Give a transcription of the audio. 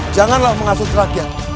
janganlah mengasut rakyat